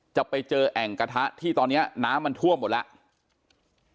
จะไปเจอแอ่งกระทะที่ตอนนี้น้ำมันท่วมหมดแล้ว